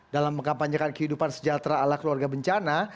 dalam mengkampanyekan kehidupan sejahtera ala keluarga bencana